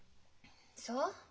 そう？